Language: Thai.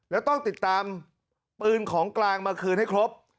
แล้วต้องติดตามปืนของกลางมาคืนให้ครบ